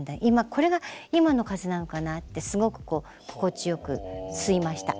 これが今の風なのかなってすごく心地よく吸いました。